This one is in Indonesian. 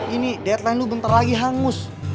ini deadline lu bentar lagi hangus